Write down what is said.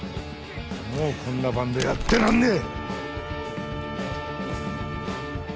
もうこんなバンドやってらんねえ！